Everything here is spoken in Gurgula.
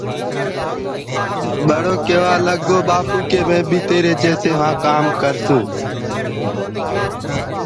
ٻڙو ڪيوآ لگرو ڪي ٻآپو مي بيٚ وهآنٚ تيري جيسي ڪآم ڪرسونٚ تو